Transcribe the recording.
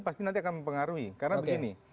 pasti nanti akan mempengaruhi karena begini